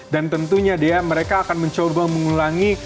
dan tentunya dia mereka akan mencoba mengulangi